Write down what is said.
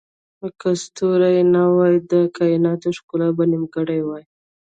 که ستوري نه وای، د کایناتو ښکلا به نیمګړې وای.